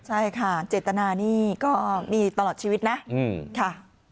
ใช่ค่ะเจตนานี่ก็มีตลอดชีวิตนะค่ะ